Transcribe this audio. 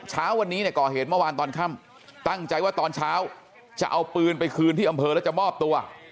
เช้าวันนี้เนี่ยก่อเหตุเมื่อวานตอนค่ำตั้งใจว่าตอนเช้าจะเอาปืนไปคืนที่อำเภอแล้วจะมอบตัว